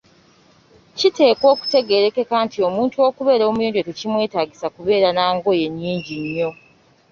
Kiteekwa okutegeerekeka nti omuntu okubeera omuyonjo tekimwetaagisa kubeera na ngoye nnyingi nnyo.